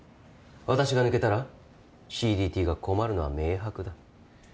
私が抜けたらＣＤＴが困るのは明白だ。